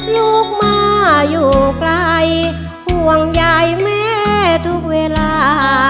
ลูกมาอยู่ไกลห่วงใยแม่ทุกเวลา